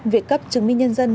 việc cấp chứng minh nhân dân